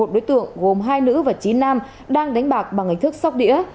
một mươi một đối tượng gồm hai nữ và chín nam đang đánh bạc bằng ảnh thức sóc đĩa